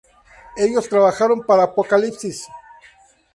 Ellos trabajaron para Apocalipsis.